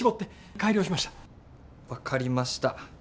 分かりました。